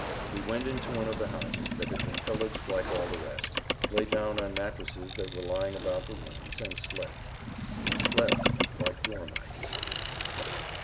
We went into one of the houses that had been pillaged like all the rest, lay down on mattresses that were lying about the rooms and slept—slept like dormice.